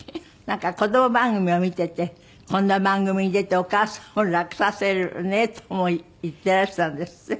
なんか子供番組を見ていて「こんな番組に出てお母さんを楽させるね」とも言っていらしたんですって？